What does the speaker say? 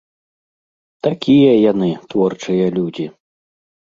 Такія яны, творчыя людзі.